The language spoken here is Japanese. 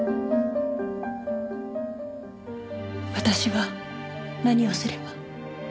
私は何をすれば？